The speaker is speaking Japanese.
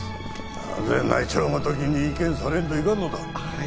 なぜ内調ごときに意見されんといかんのだはい